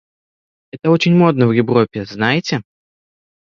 Это очень модно в Европе, знаете.